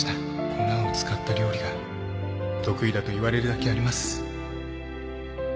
粉を使った料理が得意だと言われるだけあります